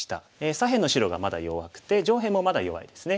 左辺の白がまだ弱くて上辺もまだ弱いですね。